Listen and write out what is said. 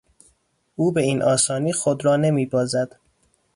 او به این آسانی خود را نمیبازد.